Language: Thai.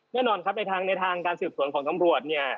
แน่นอนครับในทางการสืบสวนของตำรวจเนี่ย